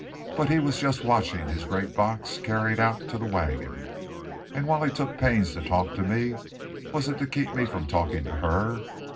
But he was just watching his great box carried out to the wagon, and while he took pains to talk to me was it to keep me from talking to her?